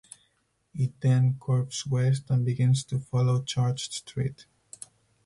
It then curves west and begins to follow Church Street.